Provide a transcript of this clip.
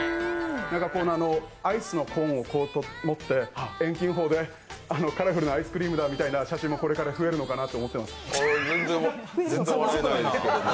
アイスのコーンを持って遠近法でカラフルなアイスクリームだみたいな写真もこれから増えるのかなと思ってます。